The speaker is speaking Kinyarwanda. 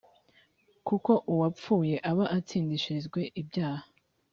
kuko uwapfuye aba atsindishirijwe ibyaha